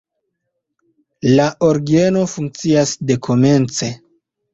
La orgeno funkcias dekomence.